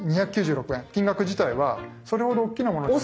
金額自体はそれほど大きなものではない。